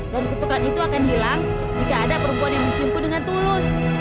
dan kutukan itu akan hilang jika ada perempuan yang menciumku dengan tulus